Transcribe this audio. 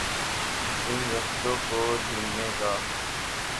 ان رستوں کو ڈھونڈے گا۔